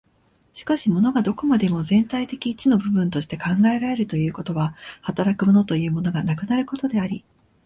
しかし物がどこまでも全体的一の部分として考えられるということは、働く物というものがなくなることであり、